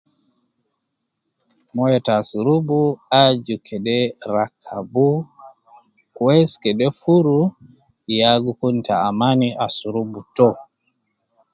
Moyo te asurubu aju kede rakabu kwesi, kede furu, ya gu kun te amani asurubu to.